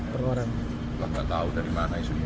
saya tidak tahu dari mana isunya